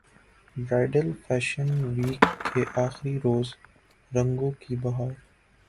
bridal fashion week کے اخری روز رنگوں کی بہار